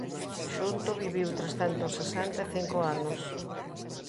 Por xunto viviu trescentos sesenta e cinco anos.